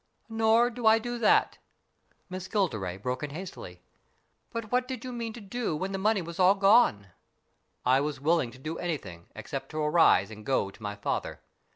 " Nor do I do that." Miss Gilderay broke in hastily. "But what did you mean to do when the money was all gone ?"" I was willing to do anything, except to arise and go to my father.